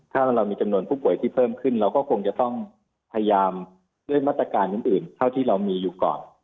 ถ้าเรามีจำนวนผู้ป่วยที่เพิ่มขึ้นเราก็คงจะต้องพยายามด้วยมาตรการอื่นเท่าที่เรามีอยู่ก่อน